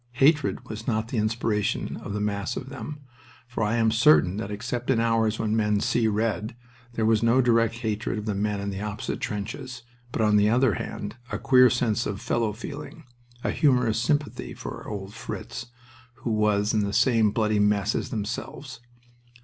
Hatred was not the inspiration of the mass of them, for I am certain that except in hours when men "see red" there was no direct hatred of the men in the opposite trenches, but, on the other hand, a queer sense of fellow feeling, a humorous sympathy for "old Fritz," who was in the same bloody mess as themselves.